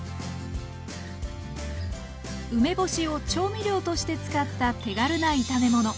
梅干しを調味料として使った手軽な炒め物。